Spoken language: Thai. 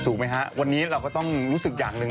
ไหมฮะวันนี้เราก็ต้องรู้สึกอย่างหนึ่ง